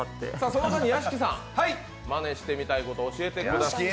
その間に屋敷さん、マネしてみたいことを教えてください。